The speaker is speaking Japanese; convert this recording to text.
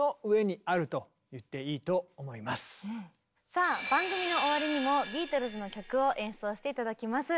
さあ番組の終わりにもビートルズの曲を演奏して頂きます。